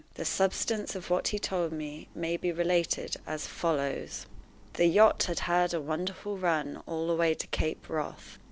The substance of what he told me may be related as follows: The yacht had had a wonderful run all the way to Cape Wrath.